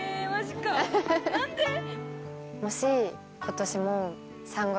もし。